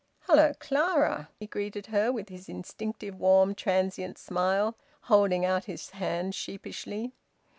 "Hello, Clara!" he greeted her, with his instinctive warm, transient smile, holding out his hand sheepishly.